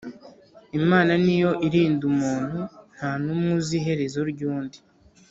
imana niyo irinda umuntu ntanumwe uzi iherezo ryundi